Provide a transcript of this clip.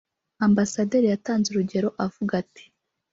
Ambasaderi yatanze urugero avuga ati